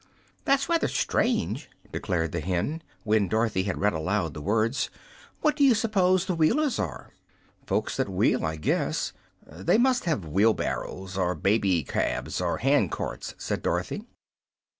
"That's rather strange," declared the hen, when Dorothy had read aloud the words. "What do you suppose the Wheelers are?" "Folks that wheel, I guess. They must have wheelbarrows, or baby cabs or hand carts," said Dorothy.